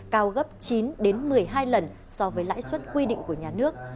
cao gấp chín một mươi hai lần so với lãi suất quy định của nhà nước